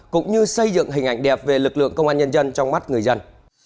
cũng như xây dựng hình ảnh đẹp về lực lượng công an nhân dân trong mắt người dân